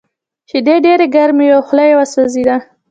شیدې ډېرې ګرمې وې او خوله یې وسوځېده